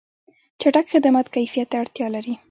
چټک خدمات کیفیت ته اړتیا لري.